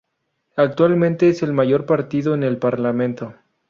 Actualmente es el mayor partido en el Parlamento.